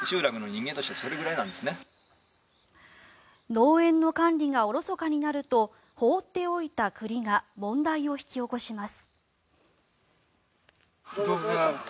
農園の管理がおろそかになると放っておいた栗が問題を引き起こします。